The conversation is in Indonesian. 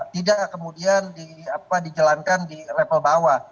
tidak kemudian diapakan di cer litigation level bawah